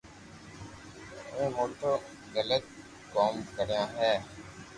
تمو موٽو غلط ڪوم ڪريو ھي